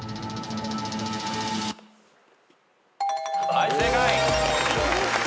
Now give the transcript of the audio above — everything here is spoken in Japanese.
はい正解。